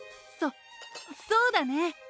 そそうだね。